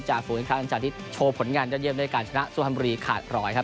จากฝุงรัรทรายเตือนจากที่โชว์ผลงานด้านเยี่ยมด้วยการชนะสู้ฮัมบุรีขาดรอยครับ